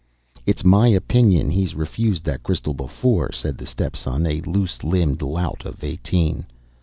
"It's my opinion he's refused that crystal before," said the step son, a loose limbed lout of eighteen.